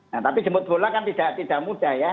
nah tapi jemput bola kan tidak mudah ya